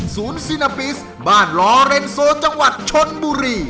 ซีนาปิสบ้านลอเรนโซจังหวัดชนบุรี